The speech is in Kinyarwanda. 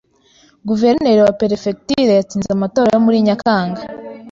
Guverineri wa perefegitura yatsinze amatora yo muri Nyakanga.